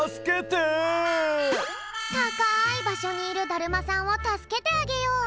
たかいばしょにいるだるまさんをたすけてあげよう！